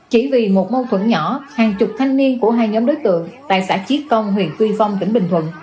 chỉ vì một mâu thuẫn nhỏ hàng chục thanh niên của hai nhóm đối tượng tại xã chi công huyện tuy phong tỉnh bình thuận